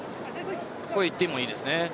ここ行ってもいいですね。